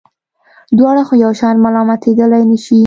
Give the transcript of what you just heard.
دواړه خو یو شان ملامتېدلای نه شي.